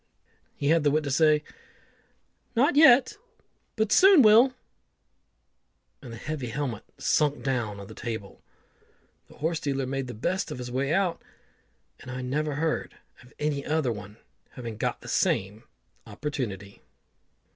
He had the wit to say, "Not yet, but soon will," and the heavy helmet sunk down on the table. The horse dealer made the best of his way out, and I never heard of any other one having got the same opportunity.